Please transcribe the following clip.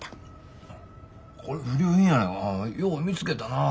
これ不良品やないかよう見つけたな。